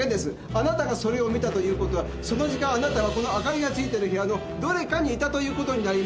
あなたがそれを見たということはその時間あなたはこの明かりがついてる部屋のどれかにいたということになります。